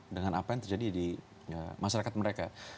dengan apa yang terjadi di masyarakat mereka